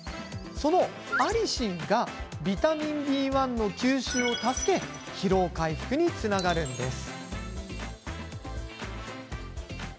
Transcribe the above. そのアリシンがビタミンＢ１の吸収を助け疲労回復につながるんです。